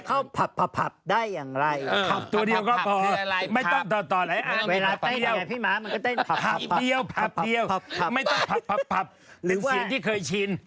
อ๋อถ้าอยากอ่านได้